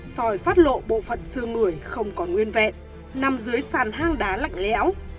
soi phát lộ bộ phận xương người không còn nguyên vẹn nằm dưới sàn hang đá lạnh lẽo